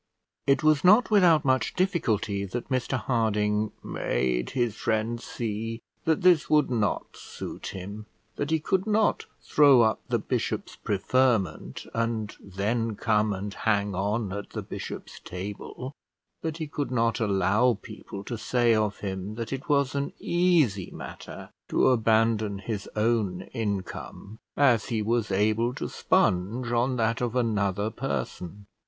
It was not without much difficulty that Mr Harding made his friend see that this would not suit him; that he could not throw up the bishop's preferment, and then come and hang on at the bishop's table; that he could not allow people to say of him that it was an easy matter to abandon his own income, as he was able to sponge on that of another person.